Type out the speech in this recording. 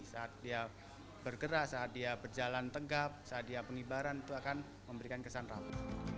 saat dia bergerak saat dia berjalan tenggap saat dia pengibaran itu akan memberikan kesan rapi